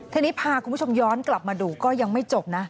ทีนี้พาคุณผู้ชมย้อนกลับมาดูก็ยังไม่จบนะ